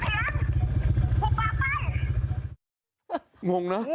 ขอบคุณพี่ผมโทรปกตินะครับพี่